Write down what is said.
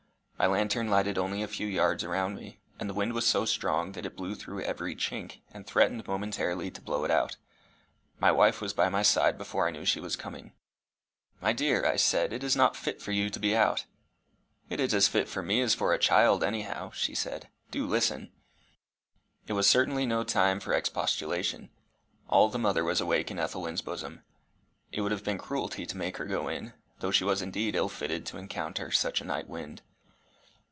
My lantern lighted only a few yards around me, and the wind was so strong that it blew through every chink, and threatened momently to blow it out. My wife was by my side before I knew she was coming. "My dear!" I said, "it is not fit for you to be out." "It is as fit for me as for a child, anyhow," she said. "Do listen." It was certainly no time for expostulation. All the mother was awake in Ethelwyn's bosom. It would have been cruelty to make her go in, though she was indeed ill fitted to encounter such a night wind.